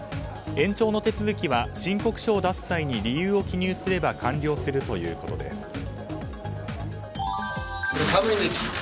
延長の手続きは申告書を出す際に理由を記入すれば完了するということです。